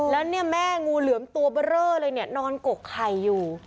แล้วเนี่ยแม่งูเหลือมตัวเบอร์เรอเลยเนี่ยนอนกกไข่อยู่